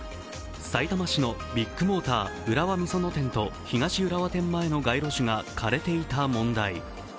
さいたま市のビッグモーター浦和美園店と東浦和店前の街路樹が枯れていた問題。